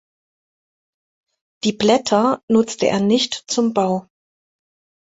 Die Blätter nutzte er nicht zum Bau.